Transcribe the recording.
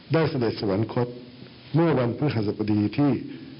ได้เสด็จสวรรคตเมื่อวันพฤศพดีที่